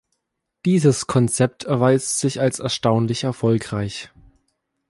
Dieses Konzept erweist sich als erstaunlich erfolgreich.